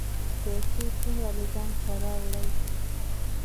پیسې څومره له ځانه سره وړئ؟